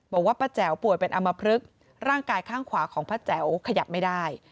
บอกว่าป้าแจ๋วป่วยเป็นอำมพลึกร่างกายข้างขวาของป้าแจ๋วขยับไม่ได้